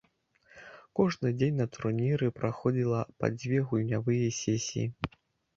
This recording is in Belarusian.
Кожны дзень на турніры праходзіла па дзве гульнявыя сесіі.